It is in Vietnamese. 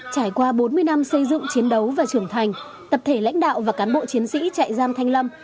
trải qua bốn mươi năm xây dựng chiến đấu và trưởng thành tập thể lãnh đạo và cán bộ chiến sĩ trại giam thanh lâm